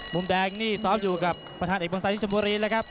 มุมแดงนี่ซ้อมอยู่กับประธานเอกบางซัยนิชชมบุรีนะครับ